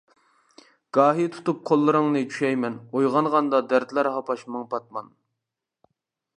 گاھى تۇتۇپ قوللىرىڭنى چۈشەيمەن، ئويغانغاندا دەردلەر ھاپاش مىڭ پاتمان.